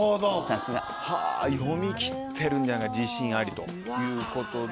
さすが。読みきってるんじゃないか自信ありということで。